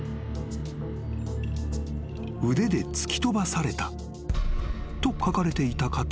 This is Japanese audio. ［「腕で突き飛ばされた」と書かれていたかと思えば］